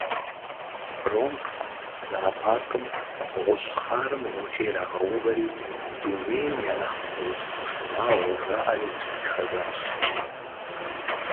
Бронкс зоопаркым гъущӏ хъарым гъуджэ ирагъэувэри «Дунейм я нэхъ псэущхьэ шынагъуэ» жаӏэри тратхэжащ.